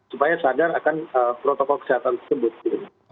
supaya sadar akan protokol kesehatan tersebut gitu